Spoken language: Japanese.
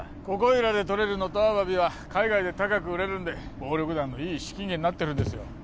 ここいらでとれるノトアワビは海外で高く売れるんで暴力団のいい資金源になってるんですよ